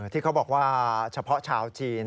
ที่เขาบอกว่าเฉพาะชาวจีน